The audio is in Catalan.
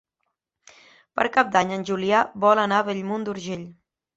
Per Cap d'Any en Julià vol anar a Bellmunt d'Urgell.